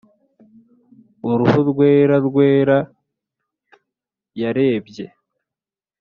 uruhu rwera rwera yarebye;